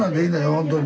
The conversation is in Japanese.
本当に。